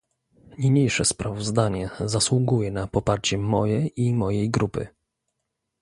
Niniejsze sprawozdanie zasługuje na poparcie moje i mojej grupy